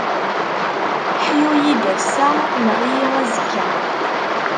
Ḥyu-yi-d ass-a, nneɣ-iyi azekka.